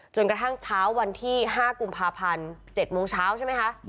จนกระทั่งเช้าวันที่๕กุมภาพันธ์๗โมงเช้าใช่ไหมคะ